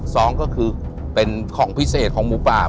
สองก็คือเป็นของพิเศษของหมูป่า